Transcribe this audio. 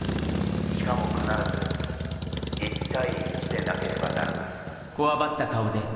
「しかも必ず１対１でなければならない」。開けて！